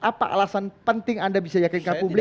apa alasan penting anda bisa yakin ke publik